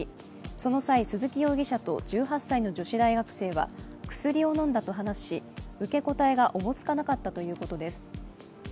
その際、鈴木容疑者と１８歳の女子大学生は薬を飲んだと話し、受け答えがおぼつかなかったといういことです。